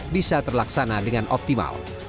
bisa terlaksana dengan optimal